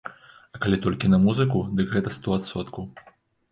А калі толькі на музыку, дык гэта сто адсоткаў.